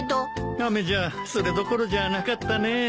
雨じゃそれどころじゃなかったね。